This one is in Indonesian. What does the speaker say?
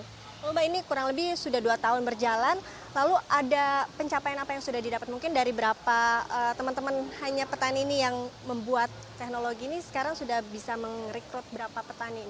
kalau mbak ini kurang lebih sudah dua tahun berjalan lalu ada pencapaian apa yang sudah didapat mungkin dari berapa teman teman hanya petani ini yang membuat teknologi ini sekarang sudah bisa merekrut berapa petani